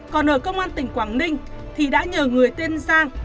còn ở công an tỉnh quảng ninh thì đã nhờ người tên giang